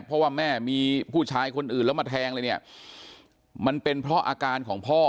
เพราะว่าแม่มีผู้ชายคนอื่นแล้วมาแทงเลยเนี่ยมันเป็นเพราะอาการของพ่อ